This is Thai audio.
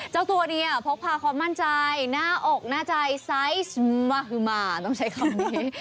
เจ้าตัวเนี่ยพกพาความมั่นใจหน้าอกหน้าใจไซส์วาฮึมาต้องใช้คำนี้